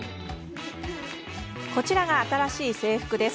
こちらが新しい制服です。